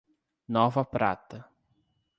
Nova Prata